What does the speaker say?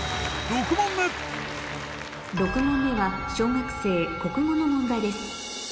６問目は小学生国語の問題です